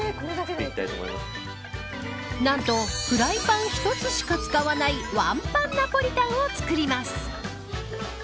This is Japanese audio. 何とフライパン１つしか使わないワンパンナポリタンを作ります。